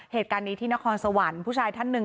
เหตุการณ์นี้ที่นครสวรรค์ผู้ชายท่านหนึ่ง